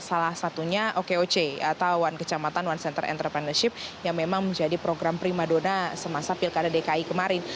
salah satunya okoc atau one kecamatan one center entrepreneurship yang memang menjadi program prima dona semasa pilkada dki kemarin